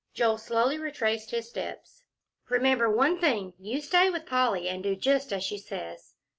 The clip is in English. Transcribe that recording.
Joel slowly retraced his steps. "Remember one thing. You stay with Polly, and do just as she says.